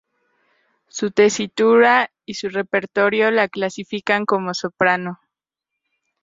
Su tesitura y su repertorio la clasifican como soprano.